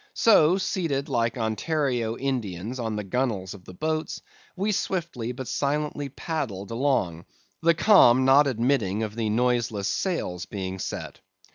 So seated like Ontario Indians on the gunwales of the boats, we swiftly but silently paddled along; the calm not admitting of the noiseless sails being set.